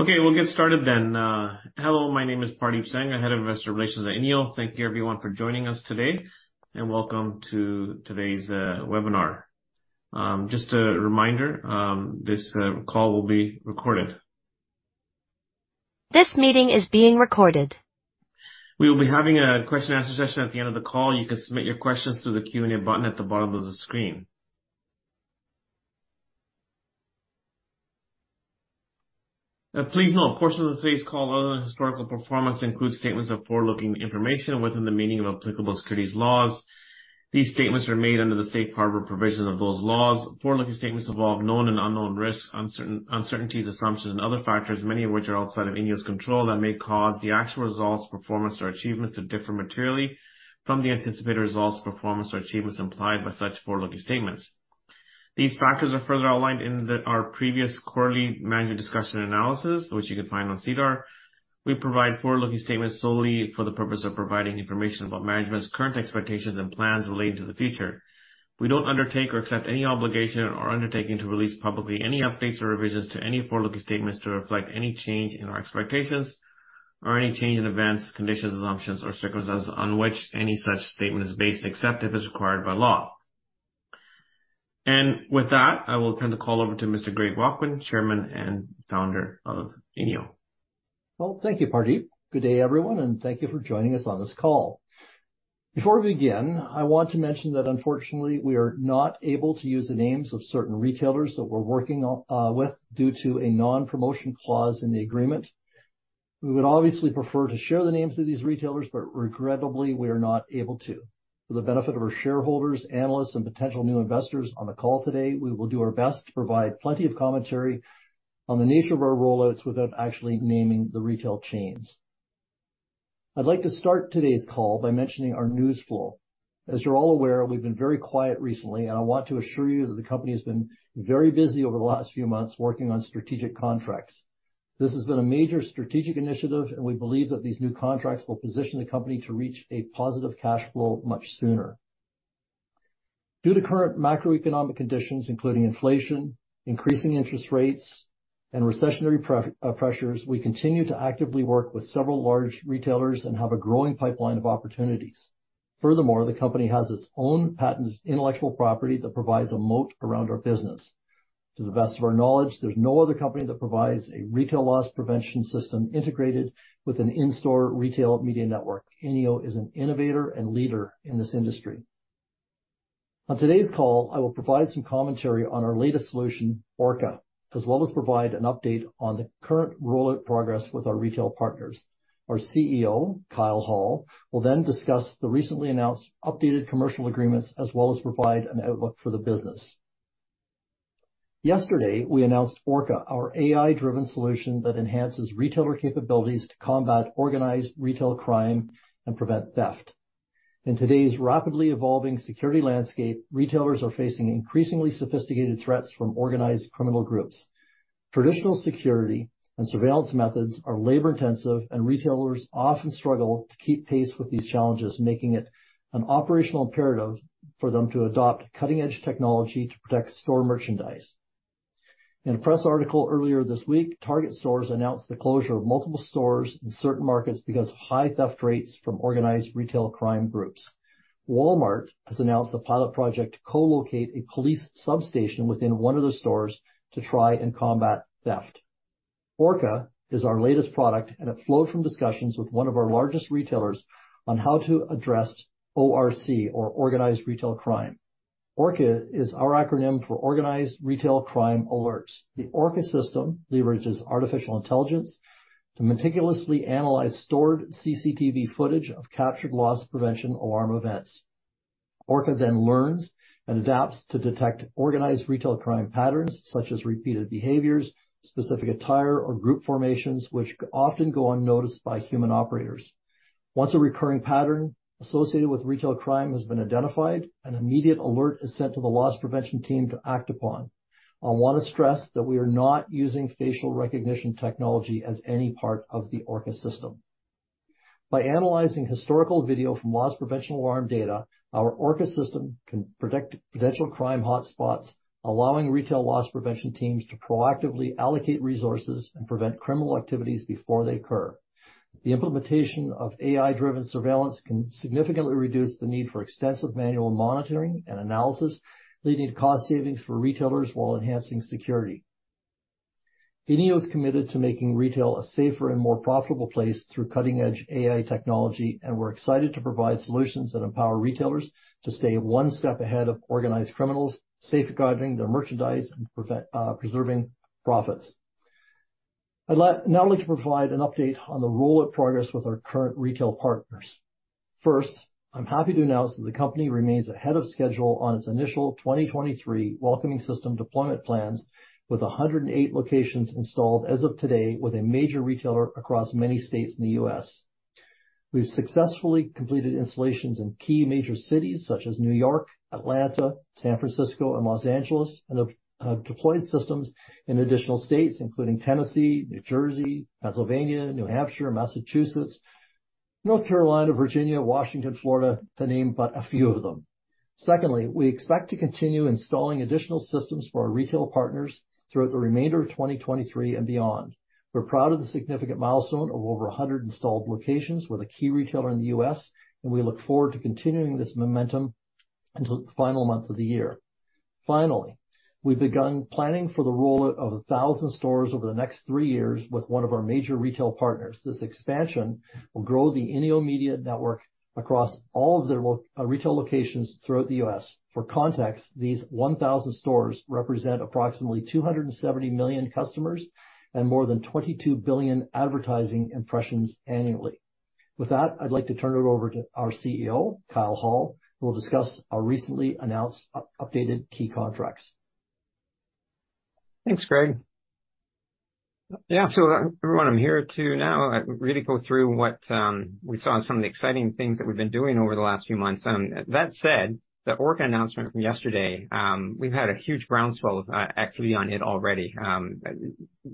Okay, we'll get started then. Hello, my name is Pardeep Sangha, Head of Investor Relations at INEO. Thank you everyone for joining us today, and welcome to today's webinar. Just a reminder, this call will be recorded. This meeting is being recorded. We will be having a question and answer session at the end of the call. You can submit your questions through the Q&A button at the bottom of the screen. Please note, portions of today's call other than historical performance include statements of forward-looking information within the meaning of applicable securities laws. These statements are made under the Safe Harbor provisions of those laws. Forward-looking statements involve known and unknown risks, uncertainties, assumptions, and other factors, many of which are outside of INEO's control, that may cause the actual results, performance, or achievements to differ materially from the anticipated results, performance, or achievements implied by such forward-looking statements. These factors are further outlined in our previous quarterly Management's Discussion and Analysis, which you can find on SEDAR. We provide forward-looking statements solely for the purpose of providing information about management's current expectations and plans relating to the future. We don't undertake or accept any obligation or undertaking to release publicly any updates or revisions to any forward-looking statements to reflect any change in our expectations or any change in events, conditions, assumptions, or circumstances on which any such statement is based, except if it's required by law. And with that, I will turn the call over to Mr. Greg Watkin, Chairman and Founder of INEO. Well, thank you, Pardeep. Good day, everyone, and thank you for joining us on this call. Before we begin, I want to mention that unfortunately, we are not able to use the names of certain retailers that we're working on, with, due to a non-promotion clause in the agreement. We would obviously prefer to share the names of these retailers, but regrettably, we are not able to. For the benefit of our shareholders, analysts, and potential new investors on the call today, we will do our best to provide plenty of commentary on the nature of our rollouts without actually naming the retail chains. I'd like to start today's call by mentioning our news flow. As you're all aware, we've been very quiet recently, and I want to assure you that the company has been very busy over the last few months working on strategic contracts. This has been a major strategic initiative, and we believe that these new contracts will position the company to reach a positive cash flow much sooner. Due to current macroeconomic conditions, including inflation, increasing interest rates, and recessionary pressures, we continue to actively work with several large retailers and have a growing pipeline of opportunities. Furthermore, the company has its own patented intellectual property that provides a moat around our business. To the best of our knowledge, there's no other company that provides a retail loss prevention system integrated with an in-store retail media network. INEO is an innovator and leader in this industry. On today's call, I will provide some commentary on our latest solution, ORCA, as well as provide an update on the current rollout progress with our retail partners. Our CEO, Kyle Hall, will then discuss the recently announced updated commercial agreements, as well as provide an outlook for the business. Yesterday, we announced ORCA, our AI-driven solution that enhances retailer capabilities to combat organized retail crime and prevent theft. In today's rapidly evolving security landscape, retailers are facing increasingly sophisticated threats from organized criminal groups. Traditional security and surveillance methods are labor-intensive, and retailers often struggle to keep pace with these challenges, making it an operational imperative for them to adopt cutting-edge technology to protect store merchandise. In a press article earlier this week, Target stores announced the closure of multiple stores in certain markets because of high theft rates from organized retail crime groups. Walmart has announced a pilot project to co-locate a police substation within one of the stores to try and combat theft. ORCA is our latest product, and it flowed from discussions with one of our largest retailers on how to address ORC, or organized retail crime. ORCA is our acronym for Organized Retail Crime Alerts. The ORCA system leverages artificial intelligence to meticulously analyze stored CCTV footage of captured loss prevention alarm events. ORCA then learns and adapts to detect organized retail crime patterns, such as repeated behaviors, specific attire, or group formations, which often go unnoticed by human operators. Once a recurring pattern associated with retail crime has been identified, an immediate alert is sent to the loss prevention team to act upon. I want to stress that we are not using facial recognition technology as any part of the ORCA system. By analyzing historical video from loss prevention alarm data, our ORCA system can predict potential crime hotspots, allowing retail loss prevention teams to proactively allocate resources and prevent criminal activities before they occur. The implementation of AI-driven surveillance can significantly reduce the need for extensive manual monitoring and analysis, leading to cost savings for retailers while enhancing security. INEO is committed to making retail a safer and more profitable place through cutting-edge AI technology, and we're excited to provide solutions that empower retailers to stay one step ahead of organized criminals, safeguarding their merchandise and preserving profits. I'd like to provide an update on the rollout progress with our current retail partners. First, I'm happy to announce that the company remains ahead of schedule on its initial 2023 Welcoming System deployment plans with 108 locations installed as of today, with a major retailer across many states in the U.S. We've successfully completed installations in key major cities such as New York, Atlanta, San Francisco, and Los Angeles, and have deployed systems in additional states, including Tennessee, New Jersey, Pennsylvania, New Hampshire, Massachusetts, North Carolina, Virginia, Washington, Florida, to name but a few of them. Secondly, we expect to continue installing additional systems for our retail partners throughout the remainder of 2023 and beyond. We're proud of the significant milestone of over 100 installed locations with a key retailer in the U.S., and we look forward to continuing this momentum until the final months of the year. Finally, we've begun planning for the rollout of 1,000 stores over the next three years with one of our major retail partners. This expansion will grow the INEO Media Network across all of their retail locations throughout the U.S. For context, these 1,000 stores represent approximately 270 million customers and more than 22 billion advertising impressions annually. With that, I'd like to turn it over to our CEO, Kyle Hall, who will discuss our recently announced updated key contracts. Thanks, Greg. Yeah, so, everyone, I'm here to now really go through what we saw and some of the exciting things that we've been doing over the last few months. That said, the ORCA announcement from yesterday, we've had a huge groundswell of activity on it already.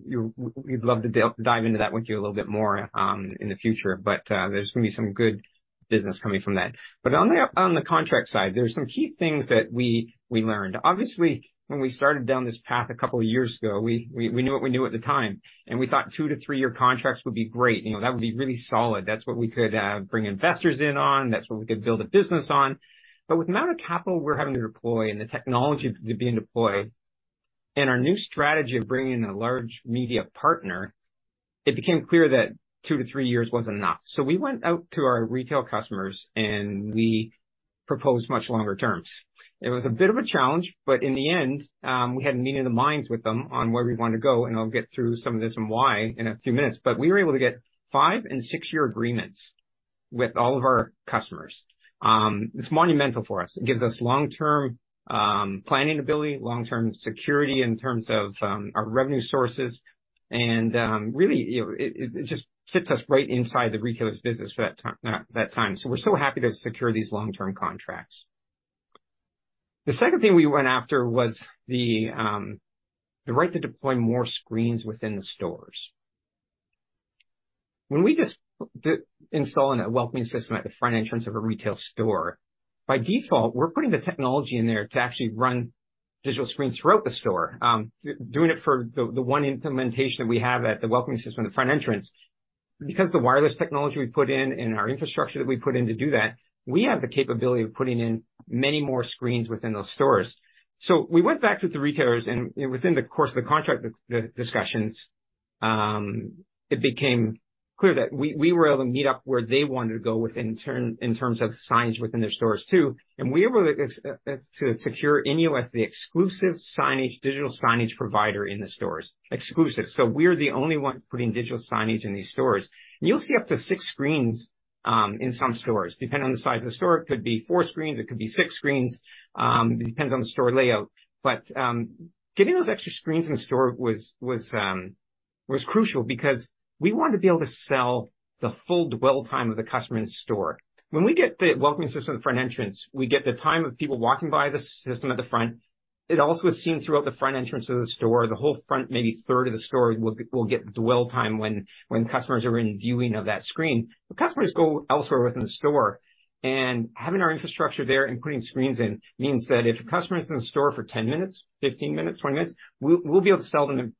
You- we'd love to dive into that with you a little bit more in the future, but there's gonna be some good business coming from that. But on the contract side, there's some key things that we learned. Obviously, when we started down this path a couple of years ago, we knew what we knew at the time, and we thought 2-3-year contracts would be great. You know, that would be really solid. That's what we could bring investors in on. That's what we could build a business on. But with the amount of capital we're having to deploy and the technology to be deployed and our new strategy of bringing in a large media partner, it became clear that 2-3 years wasn't enough. So we went out to our retail customers, and we proposed much longer terms. It was a bit of a challenge, but in the end, we had a meeting of the minds with them on where we wanted to go, and I'll get through some of this and why in a few minutes. But we were able to get 5- and 6-year agreements with all of our customers. It's monumental for us. It gives us long-term planning ability, long-term security in terms of our revenue sources, and really, you know, it just fits us right inside the retailer's business for that time, that time. So we're so happy to secure these long-term contracts. The second thing we went after was the right to deploy more screens within the stores. When we just install a Welcoming System at the front entrance of a retail store, by default, we're putting the technology in there to actually run digital screens throughout the store. Doing it for the one implementation that we have at the Welcoming System in the front entrance, because the wireless technology we put in and our infrastructure that we put in to do that, we have the capability of putting in many more screens within those stores. So we went back to the retailers, and within the course of the contract, the discussions, it became clear that we were able to meet up where they wanted to go with in terms of signage within their stores, too. We were able to secure INEO as the exclusive signage, digital signage provider in the stores. Exclusive. So we're the only ones putting digital signage in these stores. You'll see up to six screens in some stores. Depending on the size of the store, it could be four screens, it could be six screens, it depends on the store layout. But getting those extra screens in the store was crucial because we wanted to be able to sell the full dwell time of the customer in the store. When we get the Welcoming System at the front entrance, we get the time of people walking by the system at the front. It also is seen throughout the front entrance of the store. The whole front, maybe third of the store, will get dwell time when customers are in viewing of that screen. But customers go elsewhere within the store, and having our infrastructure there and putting screens in means that if a customer is in the store for 10 minutes, 15 minutes, 20 minutes, we'll be able to sell them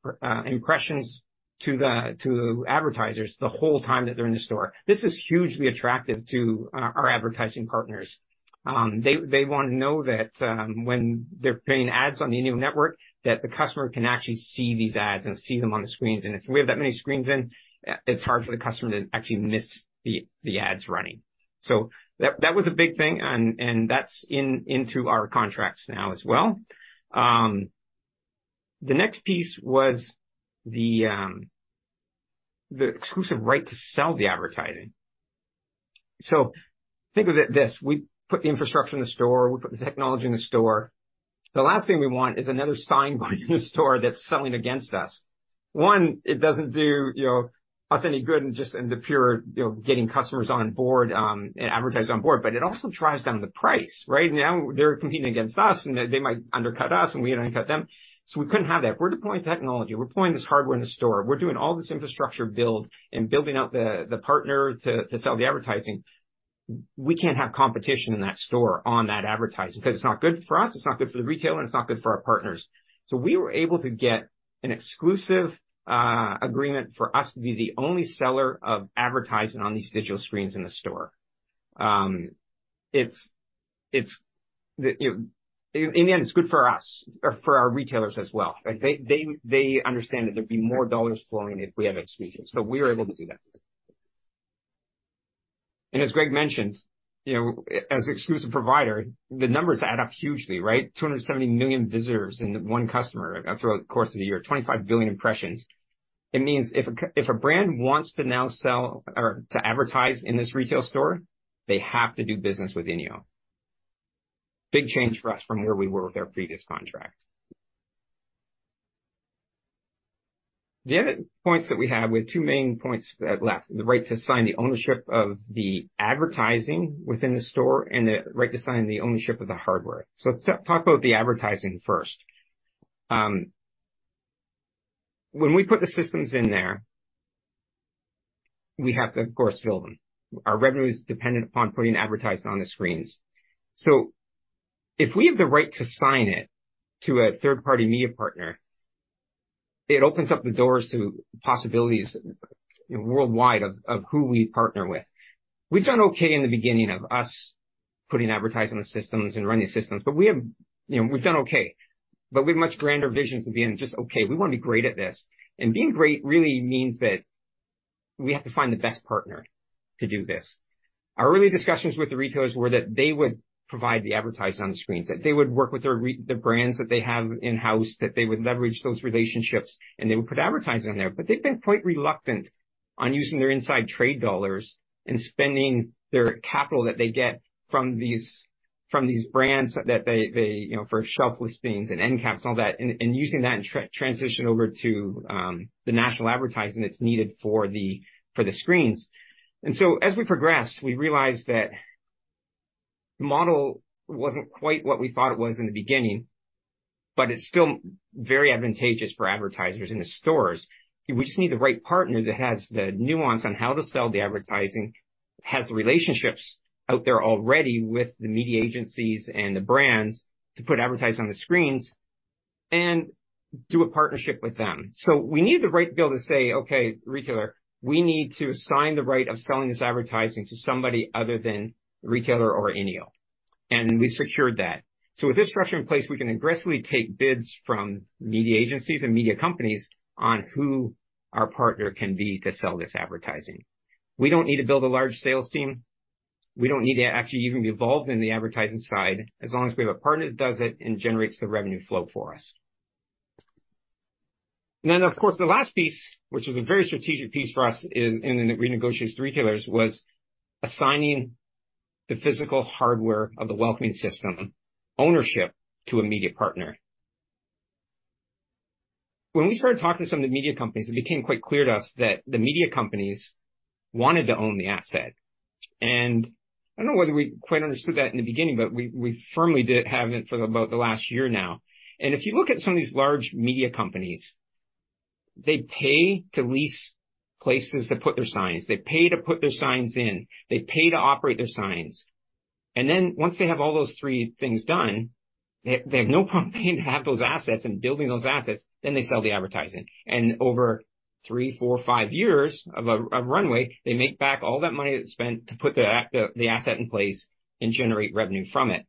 impressions to the advertisers the whole time that they're in the store. This is hugely attractive to our advertising partners. They want to know that when they're paying ads on the INEO network, that the customer can actually see these ads and see them on the screens. If we have that many screens in, it's hard for the customer to actually miss the ads running. So that was a big thing, and that's into our contracts now as well. The next piece was the exclusive right to sell the advertising. So think of it this: we put the infrastructure in the store, we put the technology in the store. The last thing we want is another sign going in the store that's selling against us. One, it doesn't do, you know, us any good and just in the pure, you know, getting customers on board, and advertisers on board, but it also drives down the price, right? Now, they're competing against us, and they might undercut us, and we undercut them. So we couldn't have that. We're deploying technology. We're deploying this hardware in the store. We're doing all this infrastructure build and building out the partner to sell the advertising. We can't have competition in that store on that advertising because it's not good for us, it's not good for the retailer, and it's not good for our partners. So we were able to get an exclusive agreement for us to be the only seller of advertising on these digital screens in the store. In the end, it's good for us or for our retailers as well. They understand that there'd be more dollars flowing if we have exclusivity, so we were able to do that. And as Greg mentioned, you know, as an exclusive provider, the numbers add up hugely, right? 270 million visitors in one customer throughout the course of the year, 25 billion impressions. It means if a brand wants to now sell or to advertise in this retail store, they have to do business with INEO. Big change for us from where we were with our previous contract. The other points that we have, we have two main points left, the right to sign the ownership of the advertising within the store and the right to sign the ownership of the hardware. So let's talk about the advertising first. When we put the systems in there, we have to, of course, fill them. Our revenue is dependent upon putting advertising on the screens. So if we have the right to sign it to a third-party media partner, it opens up the doors to possibilities worldwide of who we partner with. We've done okay in the beginning of us putting advertising on the systems and running the systems, but we have, you know, we've done okay, but we have much grander visions than being just okay. We want to be great at this, and being great really means that we have to find the best partner to do this. Our early discussions with the retailers were that they would provide the advertising on the screens, that they would work with their the brands that they have in-house, that they would leverage those relationships, and they would put advertising on there. But they've been quite reluctant on using their inside trade dollars and spending their capital that they get from these brands, that they you know for shelf listings and end caps and all that, and using that and transition over to the national advertising that's needed for the screens. And so as we progressed, we realized that the model wasn't quite what we thought it was in the beginning, but it's still very advantageous for advertisers in the stores. We just need the right partner that has the nuance on how to sell the advertising, has the relationships out there already with the media agencies and the brands to put advertising on the screens and do a partnership with them. So we need the right to be able to say, "Okay, retailer, we need to sign the right of selling this advertising to somebody other than the retailer or INEO," and we secured that. So with this structure in place, we can aggressively take bids from media agencies and media companies on who our partner can be to sell this advertising. We don't need to build a large sales team. We don't need to actually even be involved in the advertising side, as long as we have a partner that does it and generates the revenue flow for us. And then, of course, the last piece, which is a very strategic piece for us, is and then it renegotiates the retailers, was assigning the physical hardware of the Welcoming System ownership to a media partner. When we started talking to some of the media companies, it became quite clear to us that the media companies wanted to own the asset. And I don't know whether we quite understood that in the beginning, but we, we firmly did have it for about the last year now. And if you look at some of these large media companies, they pay to lease places to put their signs, they pay to put their signs in, they pay to operate their signs. And then once they have all those 3 things done, they, they have no problem paying to have those assets and building those assets, then they sell the advertising. And over 3, 4, 5 years of a runway, they make back all that money that's spent to put the asset in place and generate revenue from it.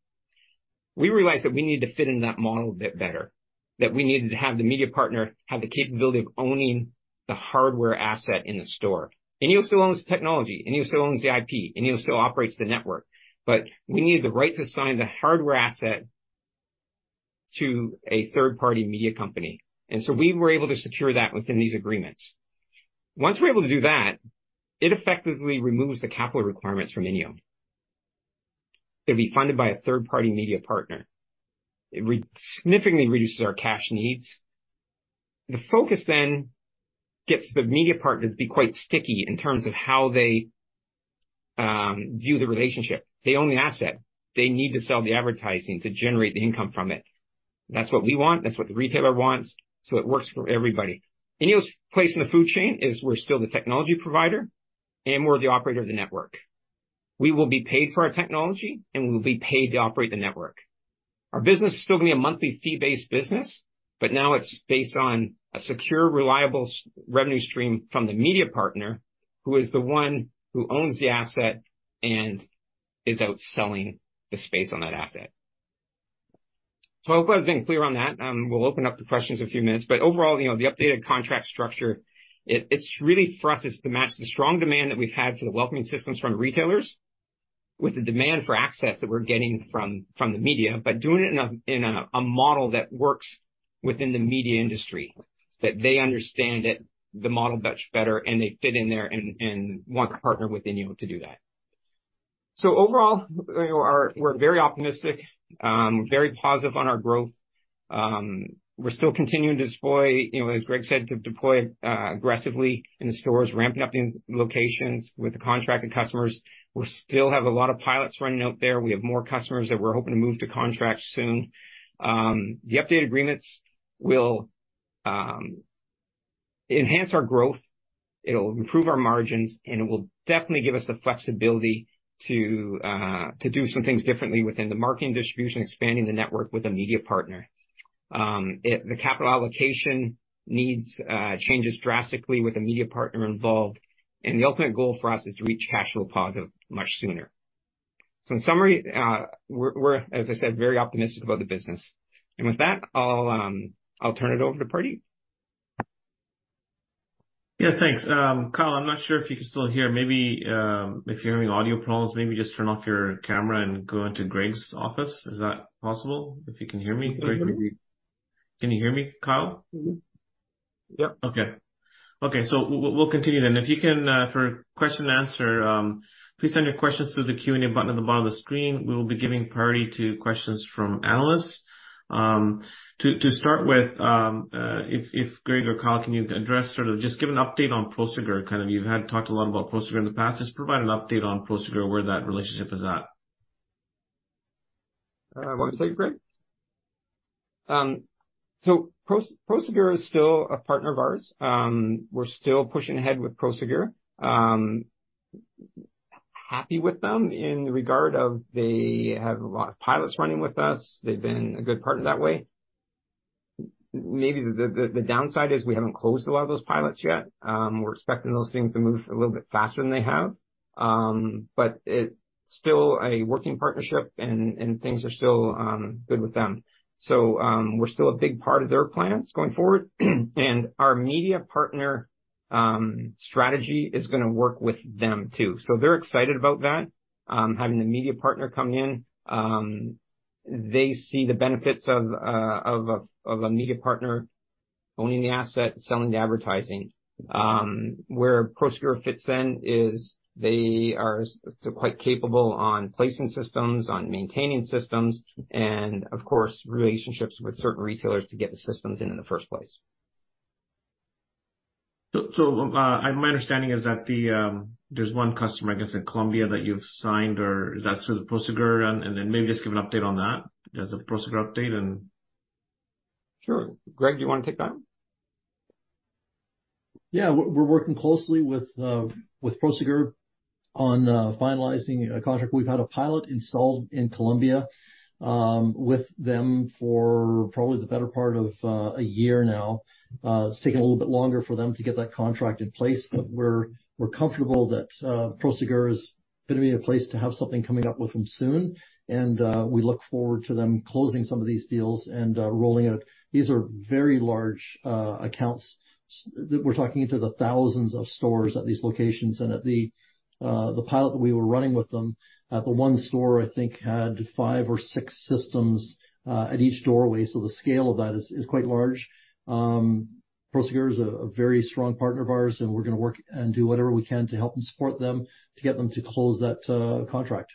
We realized that we needed to fit into that model a bit better, that we needed to have the media partner have the capability of owning the hardware asset in the store. INEO still owns the technology, INEO still owns the IP, INEO still operates the network, but we need the right to sign the hardware asset to a third-party media company, and so we were able to secure that within these agreements. Once we're able to do that, it effectively removes the capital requirements from INEO. It'll be funded by a third-party media partner. It significantly reduces our cash needs. The focus then gets the media partner to be quite sticky in terms of how they view the relationship. They own the asset. They need to sell the advertising to generate the income from it. That's what we want, that's what the retailer wants, so it works for everybody. INEO's place in the food chain is we're still the technology provider, and we're the operator of the network. We will be paid for our technology, and we will be paid to operate the network. Our business is still going to be a monthly fee-based business, but now it's based on a secure, reliable revenue stream from the media partner, who is the one who owns the asset and is out selling the space on that asset. So I hope I've been clear on that. We'll open up the questions in a few minutes. But overall, you know, the updated contract structure, it's really for us, it's to match the strong demand that we've had for the Welcoming Systems from retailers with the demand for access that we're getting from the media, but doing it in a model that works within the media industry. That they understand the model much better, and they fit in there and want to partner with INEO to do that. So overall, you know, we're very optimistic, very positive on our growth. We're still continuing to deploy, you know, as Greg said, to deploy aggressively in the stores, ramping up the locations with the contracted customers. We still have a lot of pilots running out there. We have more customers that we're hoping to move to contract soon. The updated agreements will enhance our growth, it'll improve our margins, and it will definitely give us the flexibility to do some things differently within the marketing distribution, expanding the network with a media partner. The capital allocation needs changes drastically with a media partner involved, and the ultimate goal for us is to reach cash flow positive much sooner. So in summary, we're, as I said, very optimistic about the business. And with that, I'll turn it over to Pardeep. Yeah, thanks. Kyle, I'm not sure if you can still hear. Maybe, if you're having audio problems, maybe just turn off your camera and go into Greg's office. Is that possible? If you can hear me, Greg? Can you hear me, Kyle? Mm-hmm. Yep. Okay. Okay, we'll continue then. If you can, for question and answer, please send your questions through the Q&A button at the bottom of the screen. We will be giving priority to questions from analysts. To start with, if Greg or Kyle, can you address sort of just give an update on Prosegur? Kind of you've had talked a lot about Prosegur in the past. Just provide an update on Prosegur, where that relationship is at.... want to say, Greg? So Prosegur is still a partner of ours. We're still pushing ahead with Prosegur. Happy with them in regard of they have a lot of pilots running with us. They've been a good partner that way. Maybe the downside is we haven't closed a lot of those pilots yet. We're expecting those things to move a little bit faster than they have. But it's still a working partnership and things are still good with them. So we're still a big part of their plans going forward. And our media partner strategy is gonna work with them, too. So they're excited about that, having the media partner come in. They see the benefits of a media partner owning the asset and selling the advertising. Where Prosegur fits in is they are quite capable on placing systems, on maintaining systems, and of course, relationships with certain retailers to get the systems in in the first place. So, my understanding is that there's one customer, I guess, in Colombia, that you've signed, or is that through Prosegur? And then maybe just give an update on that, as a Prosegur update, and Sure. Greg, do you want to take that? Yeah. We're working closely with Prosegur on finalizing a contract. We've had a pilot installed in Colombia with them for probably the better part of a year now. It's taking a little bit longer for them to get that contract in place, but we're comfortable that Prosegur is gonna be in a place to have something coming up with them soon, and we look forward to them closing some of these deals and rolling out. These are very large accounts that we're talking into the thousands of stores at these locations, and at the pilot that we were running with them at the one store, I think had five or six systems at each doorway, so the scale of that is quite large. Prosegur is a very strong partner of ours, and we're gonna work and do whatever we can to help and support them to get them to close that contract.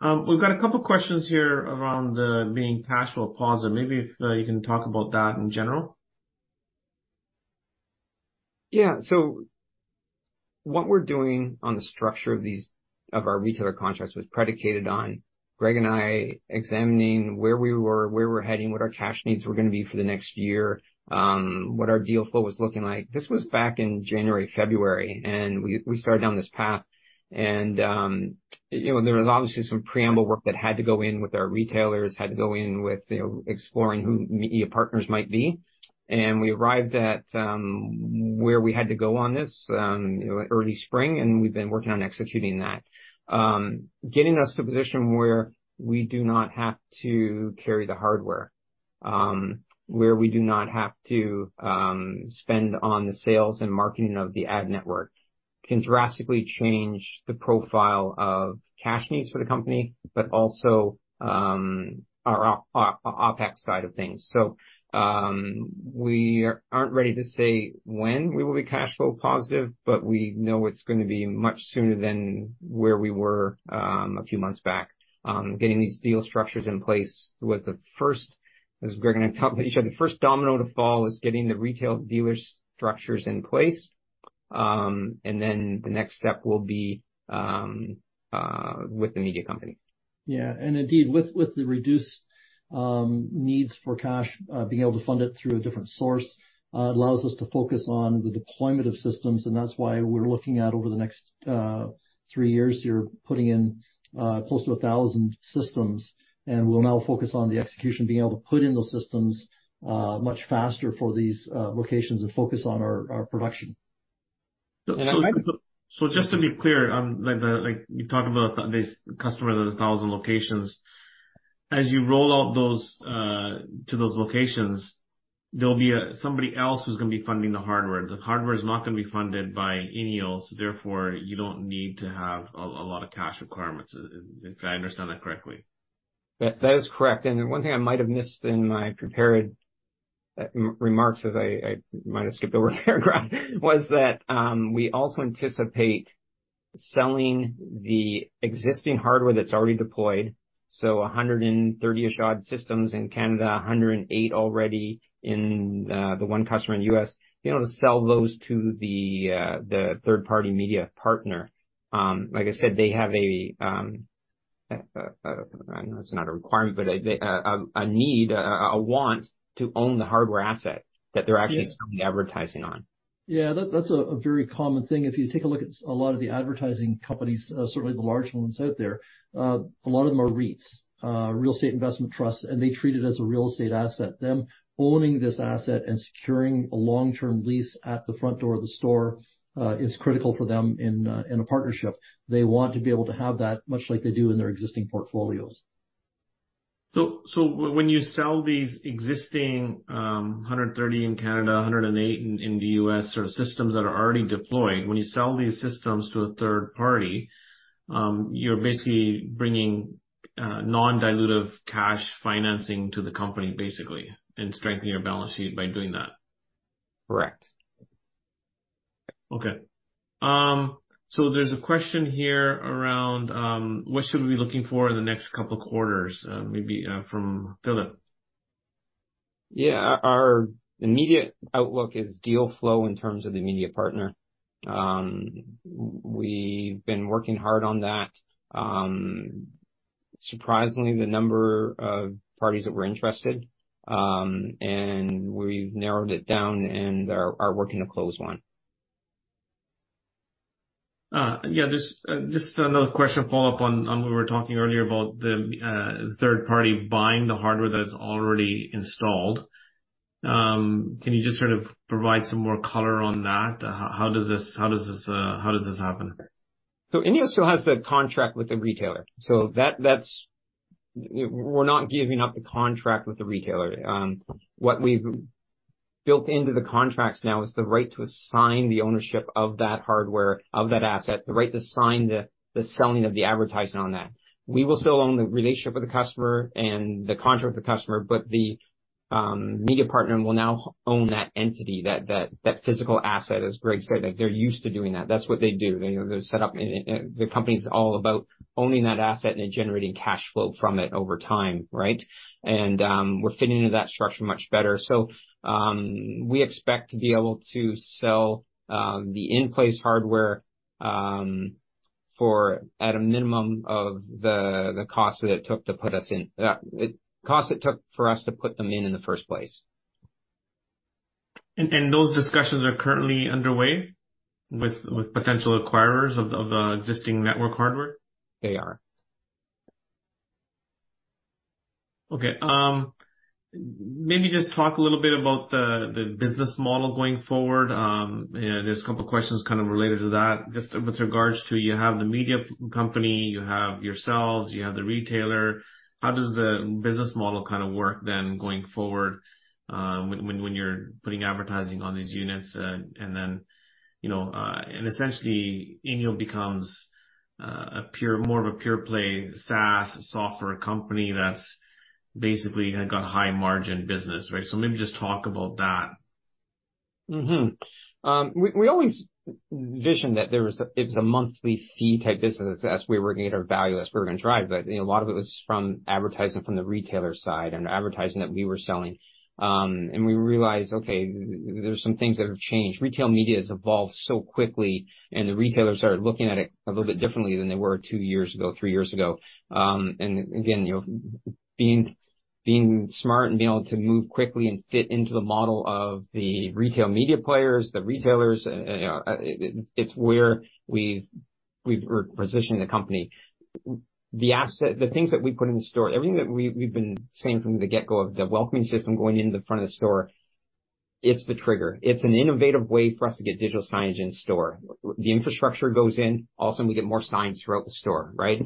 We've got a couple questions here around the being cash flow positive. Maybe if you can talk about that in general. Yeah. So what we're doing on the structure of these, of our retailer contracts, was predicated on Greg and I examining where we were, where we're heading, what our cash needs were gonna be for the next year, what our deal flow was looking like. This was back in January, February, and we started down this path. And, you know, there was obviously some preamble work that had to go in with our retailers, had to go in with, you know, exploring who media partners might be. And we arrived at, where we had to go on this, you know, early spring, and we've been working on executing that. Getting us to a position where we do not have to carry the hardware, where we do not have to spend on the sales and marketing of the ad network, can drastically change the profile of cash needs for the company, but also our OPEX side of things. So, we aren't ready to say when we will be cash flow positive, but we know it's gonna be much sooner than where we were a few months back. Getting these deal structures in place was the first, as Greg and I talked with each other, the first domino to fall is getting the retail dealers structures in place. And then the next step will be with the media company. Yeah. Indeed, with the reduced needs for cash, being able to fund it through a different source allows us to focus on the deployment of systems, and that's why we're looking at over the next 3 years here, putting in close to 1,000 systems. We'll now focus on the execution, being able to put in those systems much faster for these locations and focus on our production. So just to be clear, like you talked about this customer that has 1,000 locations. As you roll out those to those locations, there'll be somebody else who's gonna be funding the hardware. The hardware is not gonna be funded by INEO, so therefore, you don't need to have a lot of cash requirements. If I understand that correctly? That, that is correct. And one thing I might have missed in my prepared remarks, as I might have skipped over a paragraph, was that, we also anticipate selling the existing hardware that's already deployed, so 130-ish odd systems in Canada, 108 already in the one customer in the US, be able to sell those to the third-party media partner. Like I said, they have a, you know, it's not a requirement, but a need, a want to own the hardware asset- Yeah... that they're actually selling advertising on. Yeah, that, that's a very common thing. If you take a look at a lot of the advertising companies, certainly the large ones out there, a lot of them are REITs, real estate investment trusts, and they treat it as a real estate asset. Them owning this asset and securing a long-term lease at the front door of the store is critical for them in a partnership. They want to be able to have that, much like they do in their existing portfolios. So, when you sell these existing 130 in Canada, 108 in the US, sort of systems that are already deployed, when you sell these systems to a third party, you're basically bringing non-dilutive cash financing to the company, basically, and strengthening your balance sheet by doing that? Correct. Okay. So there's a question here around, what should we be looking for in the next couple of quarters? Maybe, from Philip.... Yeah, our immediate outlook is deal flow in terms of the media partner. We've been working hard on that. Surprisingly, the number of parties that were interested, and we've narrowed it down and are working to close one. Yeah, just another question to follow up on we were talking earlier about the third party buying the hardware that is already installed. Can you just sort of provide some more color on that? How does this happen? So INEO still has the contract with the retailer, so that's, we're not giving up the contract with the retailer. What we've built into the contracts now is the right to assign the ownership of that hardware, of that asset, the right to sign the selling of the advertising on that. We will still own the relationship with the customer and the contract with the customer, but the media partner will now own that entity, that physical asset. As Greg said, like, they're used to doing that. That's what they do. They set up their company's all about owning that asset and then generating cash flow from it over time, right? And we're fitting into that structure much better. So, we expect to be able to sell the in-place hardware for at a minimum of the cost that it took to put us in. The cost it took for us to put them in in the first place. Those discussions are currently underway with potential acquirers of the existing network hardware? They are. Okay. Maybe just talk a little bit about the business model going forward. And there's a couple questions kind of related to that. Just with regards to you have the media company, you have yourselves, you have the retailer. How does the business model kind of work then, going forward, when you're putting advertising on these units, and then, you know, and essentially, INEO becomes more of a pure play SaaS software company that's basically got high margin business, right? So maybe just talk about that. We always visioned that there was a, it was a monthly fee type business as we were getting our value, as we were going to drive, but you know, a lot of it was from advertising from the retailer side and advertising that we were selling. We realized, okay, there's some things that have changed. Retail media has evolved so quickly, and the retailers are looking at it a little bit differently than they were two years ago, three years ago. Again, you know, being smart and being able to move quickly and fit into the model of the retail media players, the retailers, it's where we've repositioned the company. The asset, the things that we put in the store, everything that we've, we've been saying from the get-go, of the Welcoming System going into the front of the store, it's the trigger. It's an innovative way for us to get digital signage in store. The infrastructure goes in, also, we get more signs throughout the store, right?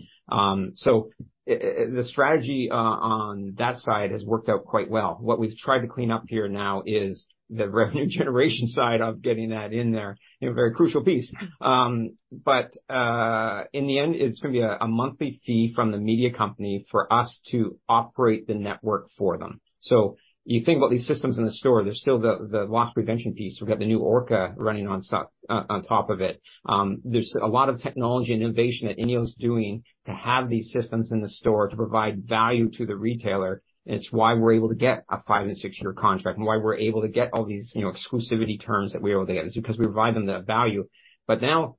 So the strategy on that side has worked out quite well. What we've tried to clean up here now is the revenue generation side of getting that in there, you know, a very crucial piece. But in the end, it's gonna be a monthly fee from the media company for us to operate the network for them. So you think about these systems in the store, there's still the loss prevention piece. We've got the new ORCA running on top of it. There's a lot of technology and innovation that INEO's doing to have these systems in the store to provide value to the retailer. It's why we're able to get a 5- and 6-year contract and why we're able to get all these, you know, exclusivity terms that we are able to get. It's because we provide them the value. But now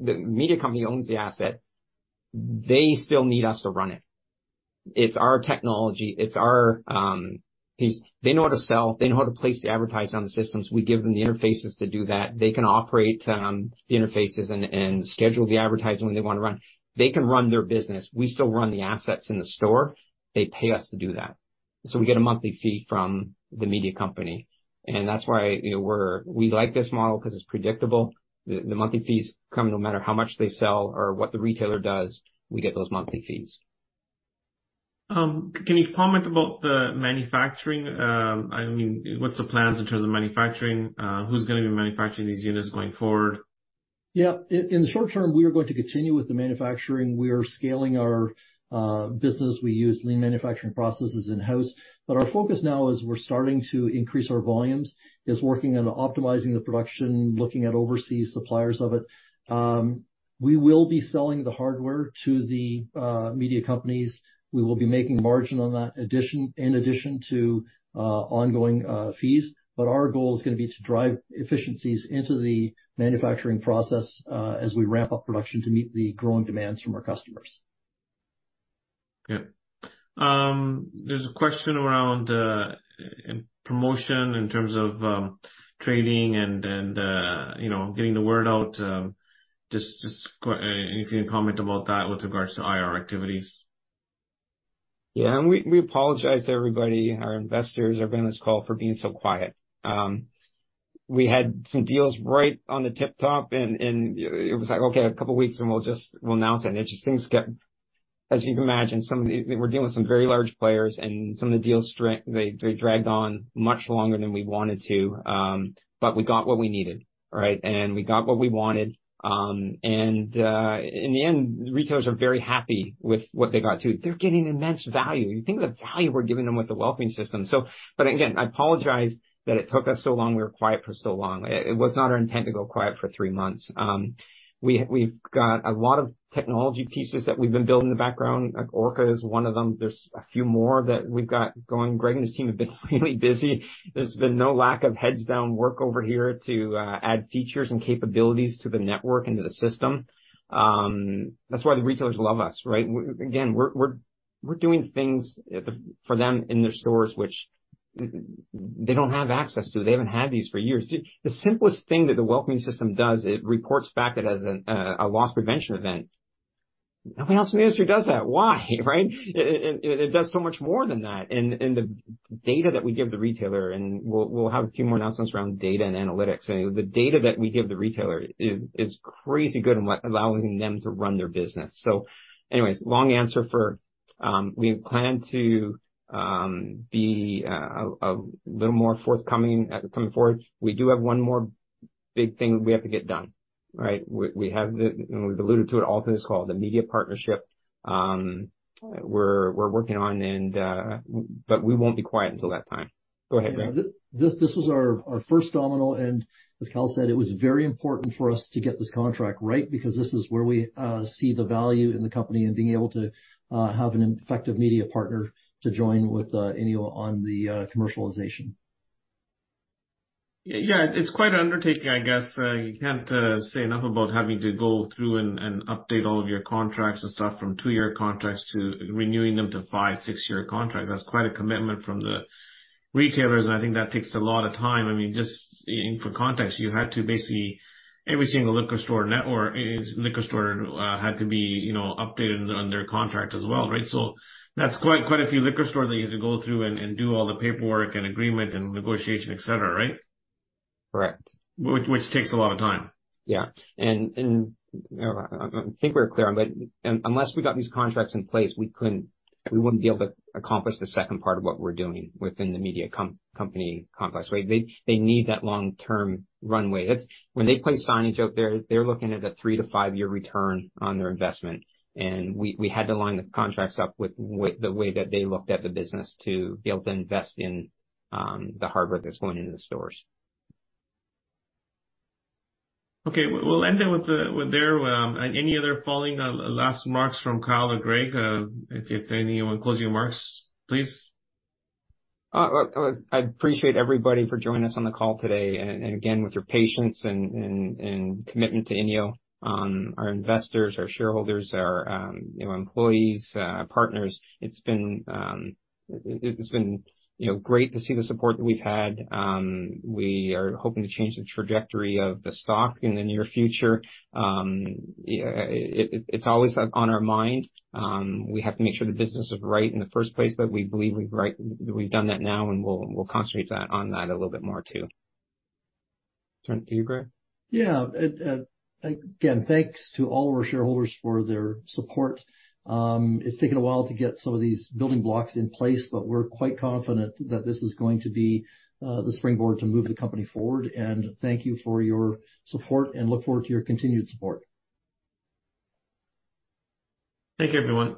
the media company owns the asset, they still need us to run it. It's our technology. It's our piece. They know how to sell. They know how to place the advertising on the systems. We give them the interfaces to do that. They can operate the interfaces and schedule the advertising when they want to run. They can run their business. We still run the assets in the store. They pay us to do that. So we get a monthly fee from the media company, and that's why, you know, we're like this model because it's predictable. The monthly fees come no matter how much they sell or what the retailer does, we get those monthly fees. Can you comment about the manufacturing? I mean, what's the plans in terms of manufacturing? Who's gonna be manufacturing these units going forward? Yeah. In the short term, we are going to continue with the manufacturing. We are scaling our business. We use lean manufacturing processes in-house, but our focus now is we're starting to increase our volumes, is working on optimizing the production, looking at overseas suppliers of it. We will be selling the hardware to the media companies. We will be making margin on that addition, in addition to ongoing fees. But our goal is gonna be to drive efficiencies into the manufacturing process as we ramp up production to meet the growing demands from our customers. Okay. There's a question around promotion in terms of trading and, and you know, getting the word out. Just, if you can comment about that with regards to IR activities. Yeah, and we apologize to everybody, our investors, everyone on this call for being so quiet. We had some deals right on the tip top, and it was like, okay, a couple weeks, and we'll just announce it. And just things get... As you can imagine, some of the we're dealing with some very large players, and some of the deals they dragged on much longer than we wanted to, but we got what we needed, all right? And we got what we wanted. In the end, retailers are very happy with what they got, too. They're getting immense value. You think the value we're giving them with the Welcoming System. So... But again, I apologize that it took us so long. We were quiet for so long. It was not our intent to go quiet for three months. We've got a lot of technology pieces that we've been building in the background. Like, ORCA is one of them. There's a few more that we've got going. Greg and his team have been really busy. There's been no lack of heads down work over here to add features and capabilities to the network and to the system. That's why the retailers love us, right? Again, we're doing things for them in their stores, which they don't have access to. They haven't had these for years. The simplest thing that the Welcoming System does, it reports back that as a loss prevention event. Nobody else in the industry does that. Why? Right? It does so much more than that. The data that we give the retailer, and we'll have a few more announcements around data and analytics. And the data that we give the retailer is crazy good in like allowing them to run their business. So anyways, long answer for we plan to be a little more forthcoming coming forward. We do have one more big thing we have to get done, right? We have the-- and we've alluded to it often, it's called the media partnership. We're working on and... But we won't be quiet until that time. Go ahead, Greg. Yeah, this was our first domino, and as Kyle said, it was very important for us to get this contract right because this is where we see the value in the company and being able to have an effective media partner to join with INEO on the commercialization. Yeah, it's quite an undertaking, I guess. You can't say enough about having to go through and, and update all of your contracts and stuff from 2-year contracts to renewing them to 5- or 6-year contracts. That's quite a commitment from the retailers, and I think that takes a lot of time. I mean, just in for context, you had to basically every single liquor store network, liquor store, had to be, you know, updated on their contract as well, right? So that's quite, quite a few liquor stores that you had to go through and, and do all the paperwork and agreement and negotiation, et cetera, right? Correct. Which takes a lot of time. Yeah. And I think we're clear, but unless we got these contracts in place, we couldn't, we wouldn't be able to accomplish the second part of what we're doing within the media company complex, right? They need that long-term runway. That's when they place signage out there, they're looking at a 3-5-year return on their investment, and we had to line the contracts up with the way that they looked at the business to be able to invest in the hardware that's going into the stores. Okay. We'll end it with, with there. Any other following, last remarks from Kyle or Greg? If, if any, closing remarks, please. I appreciate everybody for joining us on the call today, and again, with your patience and commitment to INEO, our investors, our shareholders, our, you know, employees, partners. It's been, you know, great to see the support that we've had. We are hoping to change the trajectory of the stock in the near future. Yeah, it's always on our mind. We have to make sure the business is right in the first place, but we believe we've done that now, and we'll concentrate on that a little bit more too. To you, Greg? Yeah. Again, thanks to all our shareholders for their support. It's taken a while to get some of these building blocks in place, but we're quite confident that this is going to be the springboard to move the company forward. And thank you for your support, and look forward to your continued support. Thank you, everyone.